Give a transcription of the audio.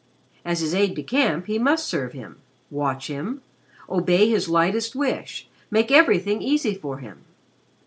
As his aide de camp he must serve him, watch him, obey his lightest wish, make everything easy for him.